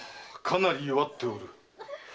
かなり弱っておる。